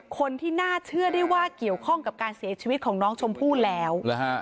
คนที่น่าเชื่อได้ว่าเกี่ยวข้องกับการเสียชีวิตของน้องชมพู่แล้วฮะ